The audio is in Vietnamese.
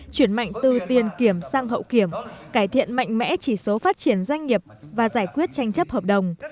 chuyển mạnh từ tiền kiểm sang hậu kiểm cải thiện mạnh mẽ chỉ số phát triển doanh nghiệp và giải quyết tranh chấp hợp đồng